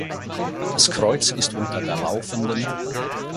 Das Kreuz ist unter der lfd.